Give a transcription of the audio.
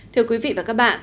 thưa quý vị và các bạn